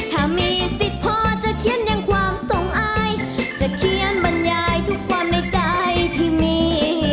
ถ้ามีสิทธิ์พอจะเขียนอย่างความทรงอายจะเขียนบรรยายทุกวันในใจที่มี